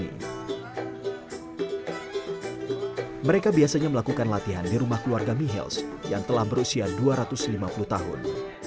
biasanya mereka house tersebut melakukan latihan di rumah keluarga meales yang telah berusia dua ratus lima puluh tahun